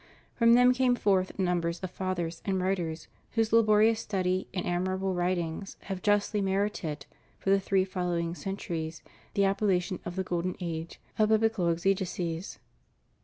From them came forth numbers of Fathers and WTiters whose labori ous studies and admirable writings have justly merited for the three following centuries the appellation of the golden age of biblical exegesis.